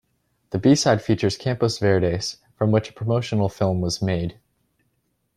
The b-side features "Campos verdes" from which a promotional film was made.